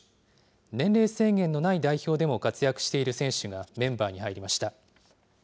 年齢制限のない代表でも活躍している選手がメンバーに入りました。